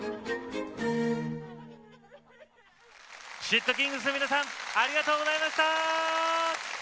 ｓ＊＊ｔｋｉｎｇｚの皆さん、ありがとうございました。